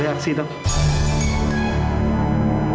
sekarang alihkan darah ke tubuhosa